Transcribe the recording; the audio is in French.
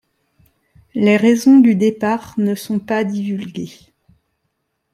Les raisons du départ ne sont pas divulguées.